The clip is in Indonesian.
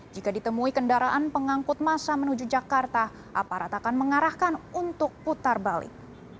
jika ditemui kendaraan pengangkut masa menuju jakarta aparat akan mengarahkan untuk putar balik